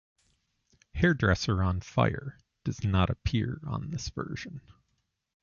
"Hairdresser on Fire" does not appear on this version.